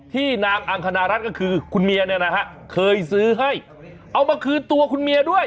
นางอังคณรัฐก็คือคุณเมียเนี่ยนะฮะเคยซื้อให้เอามาคืนตัวคุณเมียด้วย